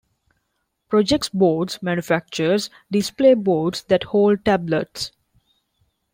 Projex Boards manufactures display boards that hold tablets.